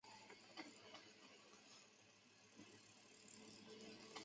最近也有观点认为对建成环境的研究和言论对公共卫生产生影响。